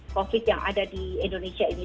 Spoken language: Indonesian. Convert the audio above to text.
covid yang ada di indonesia ini